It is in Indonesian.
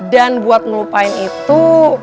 dan buat melupain itu